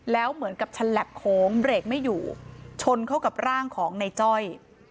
แล้วเหมือนกับฉลับโค้งเบรกไม่อยู่ชนเข้ากับร่างของในจ้อย